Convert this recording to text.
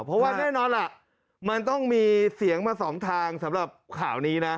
เพราะว่าแน่นอนล่ะมันต้องมีเสียงมาสองทางสำหรับข่าวนี้นะ